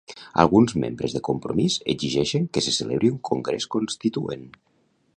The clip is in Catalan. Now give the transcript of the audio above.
Alguns membres de Compromís exigeixen que se celebri un congrés constituent.